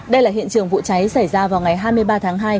đây là hiện trường vụ cháy xảy ra vào ngày hai mươi ba tháng hai